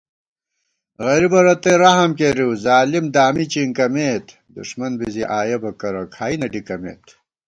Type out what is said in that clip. غریبہ رتئ رحم کېرِؤظالِم دامی چِنکَمېت * دُݭمن بی زی آیَہ بہ کرہ کھائی نہ ڈِکَمېت